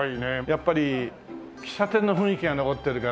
やっぱり喫茶店の雰囲気が残ってるから。